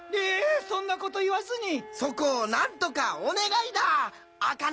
えーそんなこと言わずにそこをなんとか！お願いだあ！